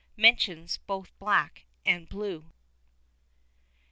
mentions both black and blue.